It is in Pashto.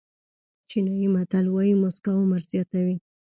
چینایي متل وایي موسکا عمر زیاتوي.